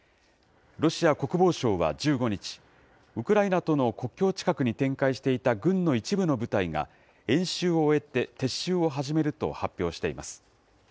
ロシア国防省は１５日、ウクライナとの国境近くに展開していた軍の一部の部隊が演習を終えて撤収を始めると発表しています。